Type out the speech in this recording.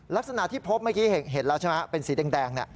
ลักษณะที่พบเมื่อกี้เห็นแล้วใช่ไหมเป็นสีแดง